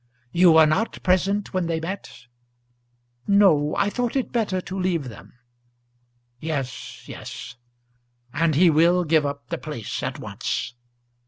You were not present when they met?" "No I thought it better to leave them." "Yes, yes. And he will give up the place at once."